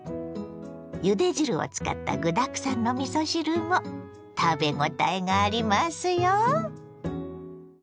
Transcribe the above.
ゆで汁を使った具だくさんのみそ汁も食べごたえがありますよ。